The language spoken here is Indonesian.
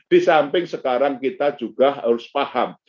di samping sekarang kita juga harus paham